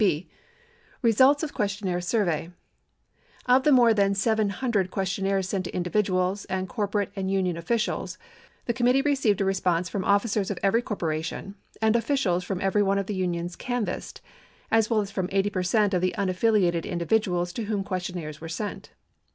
B. Results or Questionnaire Survey Of the more than 700 questionnaires sent to individuals, and corpo rate and union officials, the committee received a response from officers of every corporation and officials from every one of the unions can vassed as well as from 80 percent of the unaffiliated individuals to whom questionnaires were sent.